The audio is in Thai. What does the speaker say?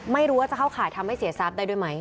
ไม่รู้ว่าจะเข้าข่ายทำให้เสียทรัพย์ได้ด้วยไหม